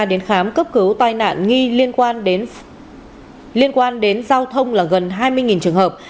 trong đó tổng số khám cấp cứu tai nạn nghi liên quan đến giao thông là gần hai mươi trường hợp